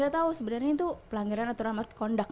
tau sebenernya itu pelanggaran aturan market conduct